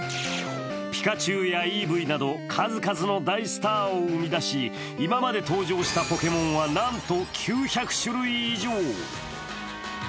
ピカチュウやイーブイなど数々の大スターを生み出し、今まで登場したポケモンは、なんと９００種類以上。